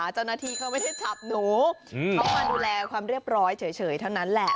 เจ้าหน้าที่เขาไม่ได้จับหนูเขามาดูแลความเรียบร้อยเฉยเท่านั้นแหละ